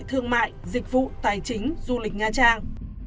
thương mại dịch vụ tài chính du lịch nha trang